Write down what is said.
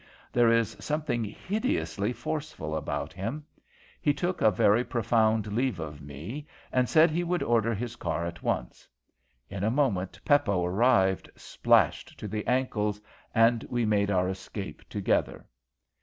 There is something hideously forceful about him. He took a very profound leave of me, and said he would order his car at once. In a moment Peppo arrived, splashed to the ankles, and we made our escape together.